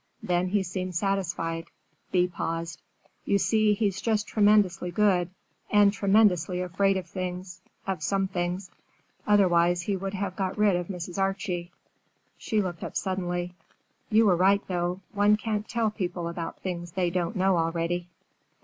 Then he seemed satisfied." Thea paused. "You see, he's just tremendously good, and tremendously afraid of things—of some things. Otherwise he would have got rid of Mrs. Archie." She looked up suddenly: "You were right, though; one can't tell people about things they don't know already."